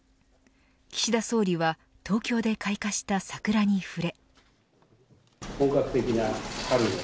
岸田総理は東京で開花した桜に触れ。